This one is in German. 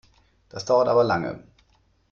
Das dauert aber lange!